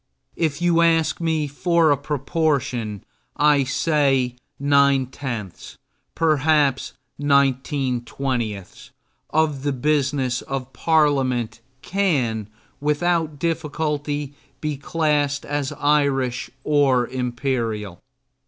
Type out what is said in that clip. If you ask me for a proportion, I say nine tenths, perhaps nineteen twentieths, of the business of Parliament can without difficulty be classed as Irish or imperial.